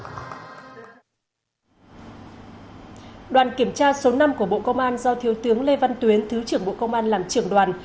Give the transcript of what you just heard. đoàn kiểm tra số năm của bộ công an do thiếu tướng lê văn tuyến thứ trưởng bộ công an làm trưởng đoàn